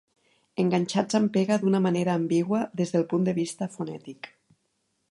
Enganxats amb pega d'una manera ambigua des del punt de vista fonètic.